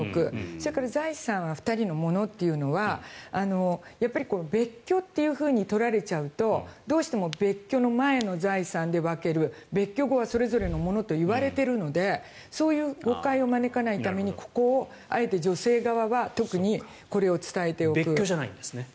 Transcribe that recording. それから財産は２人のものというのはやっぱり別居っていうふうに取られちゃうとどうしても別居の前の財産で分ける別居後はそれぞれのものといわれているのでそういう誤解を招かないためにここをあえて女性側は別居じゃないんですね。